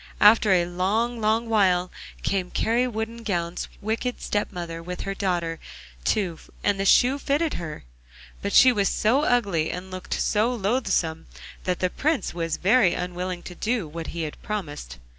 After a long, long while came Kari Woodengown's wicked stepmother, with her daughter too, and the shoe fitted her. But she was so ugly and looked so loathsome that the Prince was very unwilling to do what he had promised.